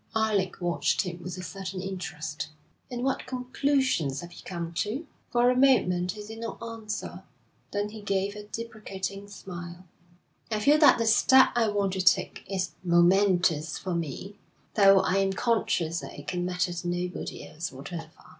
Alec watched him with a certain interest. 'And what conclusions have you come to?' For a moment he did not answer, then he gave a deprecating smile. 'I feel that the step I want to take is momentous for me, though I am conscious that it can matter to nobody else whatever.